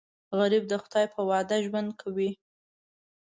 غریب د خدای په وعده ژوند کوي